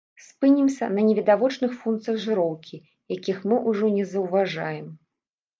Спынімся на невідавочных функцыях жыроўкі, якіх мы ўжо не заўважаем.